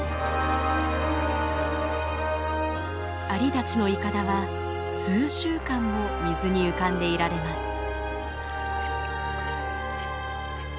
アリたちのイカダは数週間も水に浮かんでいられます。